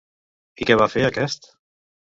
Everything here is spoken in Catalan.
I què va fer aquest?